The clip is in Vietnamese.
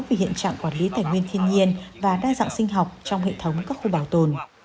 về hiện trạng quản lý tài nguyên thiên nhiên và đa dạng sinh học trong hệ thống các khu bảo tồn